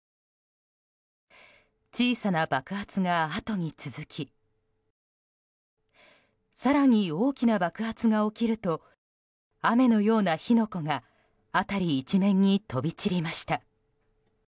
小さな爆発があとに続き更に、大きな爆発が起きると雨のような火の粉が辺り一面に飛び散りました。